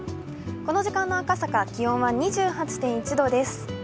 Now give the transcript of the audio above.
この時間の赤坂気温は２８．１度です。